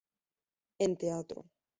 En teatro